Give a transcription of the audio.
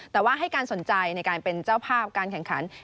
แต่ว่าให้การสนใจในการเป็นเจ้าภาพการแข่งขัน